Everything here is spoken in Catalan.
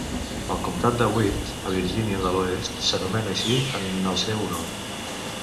El comptat de Wirt, a Virgínia de l'Oest, s'anomena així en el seu honor.